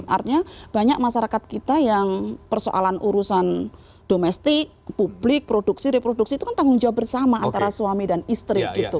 artinya banyak masyarakat kita yang persoalan urusan domestik publik produksi reproduksi itu kan tanggung jawab bersama antara suami dan istri gitu